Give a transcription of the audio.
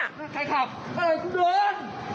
ใครขับก็เลยกูเดิน